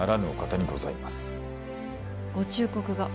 ご忠告が。